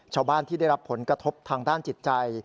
ชาวบ้านที่ได้รับผลกระทบทางด้านจิตใจ